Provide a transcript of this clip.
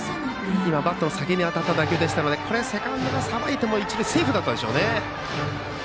バットの先に当たった打球でしたのでこれはセカンドがさばいても一塁はセーフでしたね。